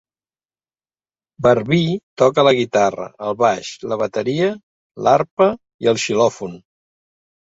Barbee toca la guitarra, el baix, la bateria, l"arpa i el xilòfon.